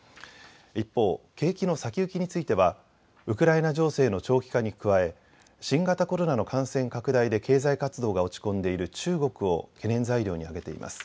一方、景気の先行きについてはウクライナ情勢の長期化に加え新型コロナの感染拡大で経済活動が落ち込んでいる中国を懸念材料に挙げています。